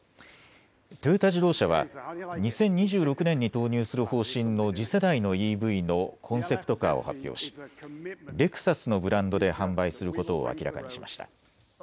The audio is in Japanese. トヨタ自動車は２０２６年に投入する方針の次世代のＥＶのコンセプトカーを発表しレクサスのブランドで販売することを明らかにしました。